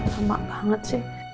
sama banget sih